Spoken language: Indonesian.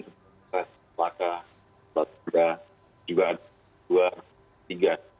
seperti laka batubara juga ada dua tiga